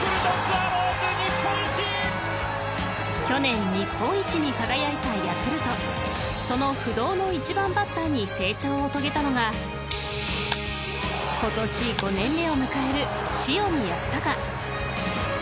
去年日本一に輝いたヤクルトその不動の１番バッターに成長を遂げたのが今年５年目を迎える塩見泰隆。